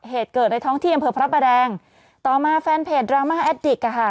เหตุเกิดในท้องที่อำเภอพระประแดงต่อมาแฟนเพจดราม่าแอดดิกอ่ะค่ะ